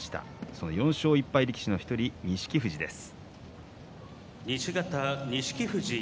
その４勝１敗の力士の１人錦富士です。